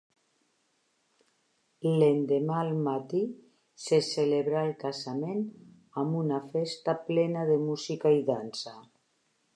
L'endemà al matí se celebra el casament amb una festa plena de música i dansa.